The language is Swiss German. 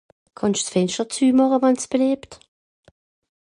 Kann'sch s'Fenschter züemache wann's beliebt?